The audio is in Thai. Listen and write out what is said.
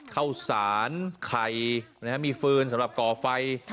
ข้าวสารไข่มีฟืนสำหรับก่อไฟ